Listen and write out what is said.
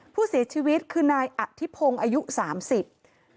ผู้เสียชีวิตคือนายอัธิพงษ์อายุ๓๐ปี